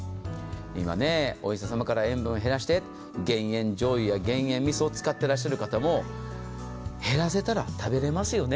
今ね、お医者様から塩分減らして減塩じょうゆや減塩みそを使っていらっしゃる肩も、減らせたら食べられますよね。